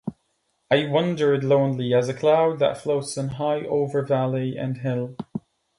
I wandered lonely as a cloud, that floats on high over valley and hill.